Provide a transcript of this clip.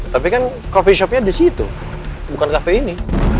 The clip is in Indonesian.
tapi kan coffee shopnya di situ bukan kafe ini